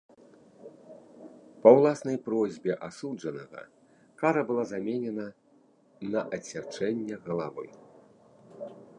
Па ўласнай просьбе асуджанага кара была заменена на адсячэнне галавы.